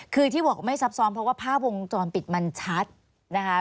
คือที่บอกไม่ซับซ้อนเพราะว่าภาพวงจรปิดมันชัดนะคะ